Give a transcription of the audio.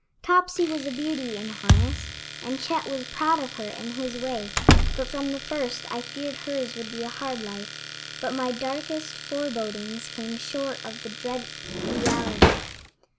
Topsy was a beauty in harness, and Chet was proud of her in his way, but from the first I feared hers would be a hard life, but my darkest forebodings came short of the dread reality.